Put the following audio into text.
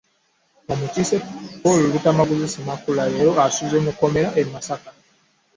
Omukiise Paul Luttamaguzi Ssemakula leero asuze mu kkomera e Masaka.